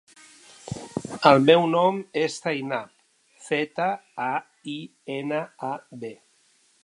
El nom és Zainab: zeta, a, i, ena, a, be.